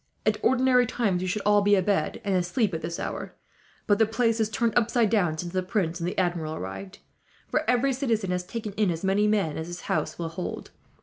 At ordinary times we should all be abed and asleep at this hour, but the place is turned upside down since the prince and the Admiral arrived; for every citizen has taken in as many men as his house will hold.